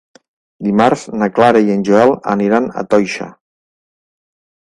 Dimarts na Clara i en Joel aniran a Toixa.